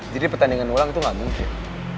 jadi pertandingan ulang itu gak mungkin